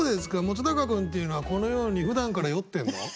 本君っていうのはこのようにふだんから酔ってんの？